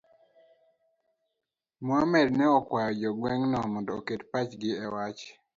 Mohamed ne okwayo jo gweng'no mondo oket pachgi e wach